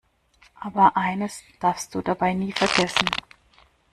Aber eines darfst du dabei nie vergessen.